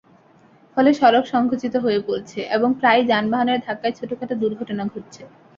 ফলে সড়ক সংকুচিত হয়ে পড়ছে এবং প্রায়ই যানবাহনের ধাক্কায় ছোটখাটো দুর্ঘটনা ঘটছে।